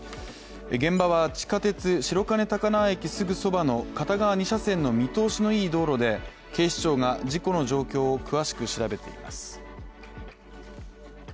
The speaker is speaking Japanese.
現場は地下鉄・白金高輪駅すぐそばの片側２車線の見通しのいい道路で警視庁が事故の状況を詳しく調べています。